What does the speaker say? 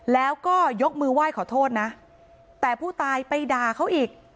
แล้วก็ยกมือไหว้ขอโทษนะแต่ผู้ตายไปด่าเขาอีก